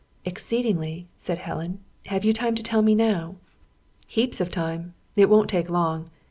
"Exceedingly," said Helen. "Have you time to tell me now?" "Heaps of time. It won't take long.